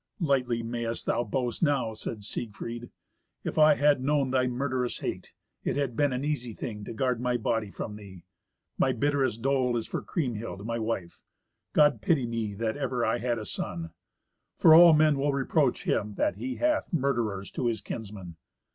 "Lightly mayst thou boast now," said Siegfried; "if I had known thy murderous hate, it had been an easy thing to guard my body from thee. My bitterest dole is for Kriemhild, my wife. God pity me that ever I had a son. For all men will reproach him that he hath murderers to his kinsmen.